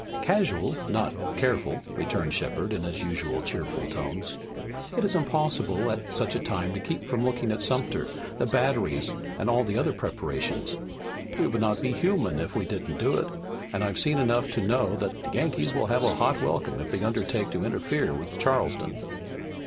"Casual, not careful," returned Shepard, in his usual cheerful tones. "It is impossible, at such a time, to keep from looking at Sumter, the batteries and all the other preparations. We would not be human if we didn't do it, and I've seen enough to know that the Yankees will have a hot welcome if they undertake to interfere with Charleston."